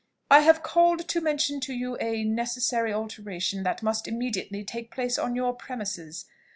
"I have called to mention to you a necessary alteration that must immediately take place on your premises.